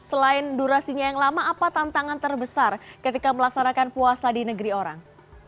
selain durasinya yang lama apa tantangan terbesar ketika melaksanakan puasa di negeri orang